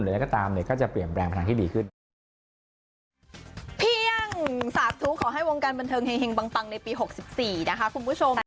อะไรก็ตามเนี่ยก็จะเปลี่ยนแปลงไปทางที่ดีขึ้น